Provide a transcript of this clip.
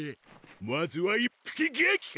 まずは１匹撃破！